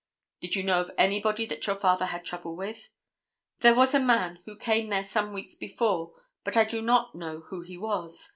"Did you know of anybody that your father had trouble with?" "There was a man who came there some weeks before, but I do not know who he was.